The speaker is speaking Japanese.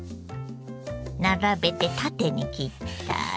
並べて縦に切ったら。